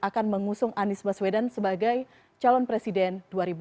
akan mengusung anies baswedan sebagai calon presiden dua ribu dua puluh